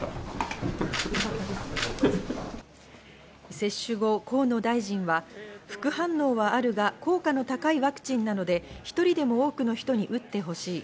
接種後、河野大臣は副反応はあるが、効果の高いワクチンなので、１人でも多くの人に打ってほしい。